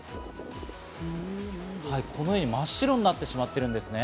このように真っ白になってしまっているんですね。